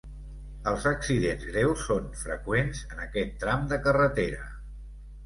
Els accidents greus són freqüents en aquest tram de carretera.